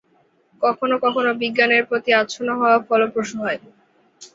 কখনো-কখনো বিজ্ঞানের প্রতি আচ্ছন্ন হওয়া ফলপ্রসূ হয়।